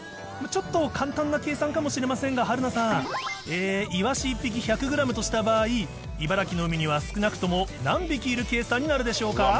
ちょっと簡単な計算かもしれませんが、春菜さん、えー、イワシ１匹１００グラムとした場合、茨城の海には少なくとも何匹いる計算になるでしょうか。